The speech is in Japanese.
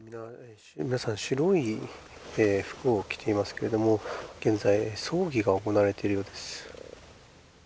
皆さん白い服を着ていますけれども、現在、葬儀が行われているようです。